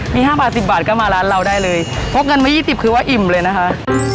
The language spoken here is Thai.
มีห้าบาทสิบบาทก็มาร้านเราได้เลยพบกันมายี่สิบคือว่าอิ่มเลยนะคะ